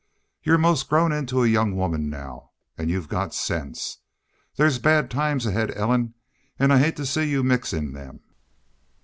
You're 'most grown into a young woman now. An' you've got sense. Thar's bad times ahead, Ellen. An' I hate to see you mix in them."